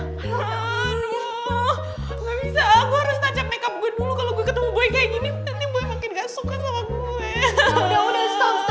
aduh ga bisa gue harus tajam makeup gue dulu kalo gue ketemu boy kayak gini nanti boy makin gasuka sama gue